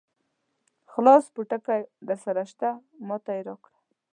خلاص پوټکی درسره شته؟ ما ته یې راکړ.